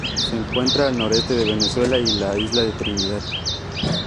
Se encuentra al noreste de Venezuela y la Isla de Trinidad.